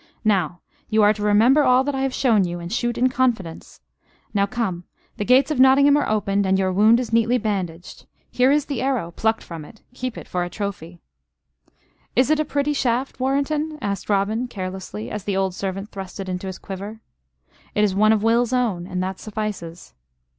"Now, you are to remember all that I have shown you, and shoot in confidence. Now come: the gates of Nottingham are opened, and your wound is neatly bandaged. Here is the arrow plucked from it: keep it for a trophy." "Is it a pretty shaft, Warrenton?" asked Robin, carelessly, as the old servant thrust it into his quiver. "It is one of Will's own, and that suffices."